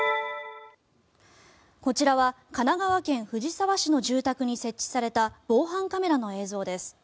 こちらは神奈川県藤沢市の住宅に設置された防犯カメラの映像です。